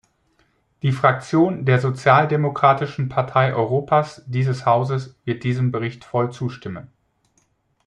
Die Fraktion der Sozialdemokratischen Partei Europas dieses Hauses wird diesem Bericht voll zustimmen.